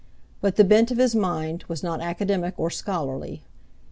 But the bent of his mind was not academic or scholarly.